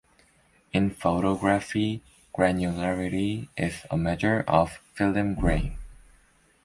In photography, granularity is a measure of film grain.